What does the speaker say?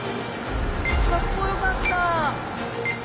かっこよかった。